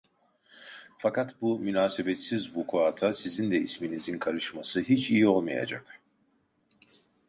Fakat bu münasebetsiz vukuata sizin de isminizin karışması hiç iyi olmayacak…